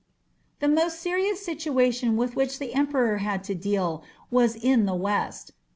The most serious situation with which the emperor had to deal was in the west.